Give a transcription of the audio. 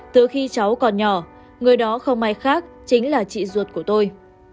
từ khi cháu còn nhỏ người đó không ai khác chính là chị ruột của tôi